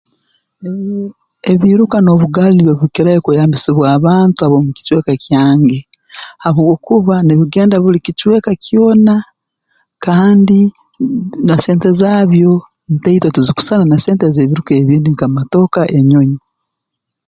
Mmh ebiiruka n'obugaali nibyo bikukirayo kweyambisibwa abantu ab'omu kicweka kyange habwokuba nibigenda buli kicweka kyona kandi mh na sente zaabyo ntaito tizikusisana na sente z'ebiiruka ebindi nka matoka n'enyonyi